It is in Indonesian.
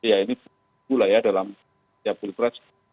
ya ini buku lah ya dalam siapulitras